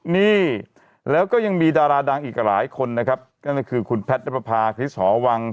นี่แล้วก็ยังมีดาราดังอีกหลายคนนะครับนั่นก็คือคุณแพทย์นับประพาคริสหอวัง